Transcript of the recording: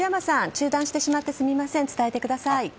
中断してしまってすみません伝えてください。